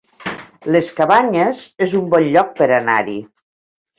Les Cabanyes es un bon lloc per anar-hi